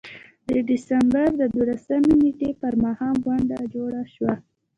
د ډسمبر د دولسمې نېټې پر ماښام غونډه جوړه شوه.